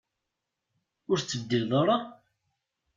Ur tettbeddileḍ ara?